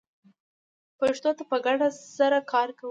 پښتو ته په ګډه سره کار کوو